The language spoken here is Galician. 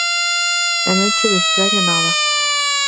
E non che me estraña nada.